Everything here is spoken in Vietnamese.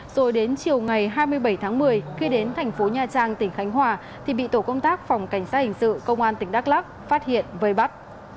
rồi đến chiều ngày hai mươi bảy tháng một mươi khi đến thành phố nha trang tỉnh khánh hòa thì bị tổ công tác phòng cảnh sát hình sự công an tỉnh đắk lắc phát hiện vây bắt